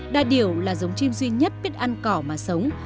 đa điểu là giống chim duy nhất biết ăn cỏ mà sống